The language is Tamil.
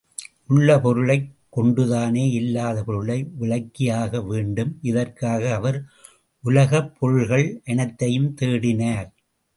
உள்ள பொருளைக் கொண்டுதானே இல்லாத பொருளை விளக்கியாக வேண்டும் இதற்காக அவர் உலகப் பொருள்கள் அனைத்தையும் தேடினார்.